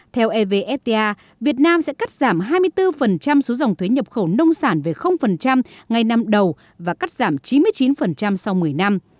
theo evfta việt nam sẽ cắt giảm hai mươi bốn số dòng thuế nhập khẩu nông sản về ngay năm đầu và cắt giảm chín mươi chín sau một mươi năm